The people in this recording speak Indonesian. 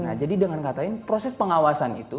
nah jadi dengan kata ini proses pengawasan itu